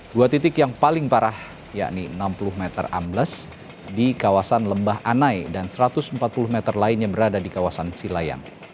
dua titik yang paling parah yakni enam puluh meter ambles di kawasan lembah anai dan satu ratus empat puluh meter lainnya berada di kawasan cilayang